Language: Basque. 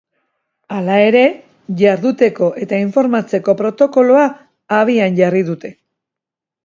Hala ere, jarduteko eta informatzeko protokoloa abian jarri dute.